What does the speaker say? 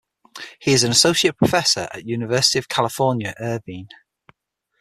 He is an associate professor at University of California, Irvine.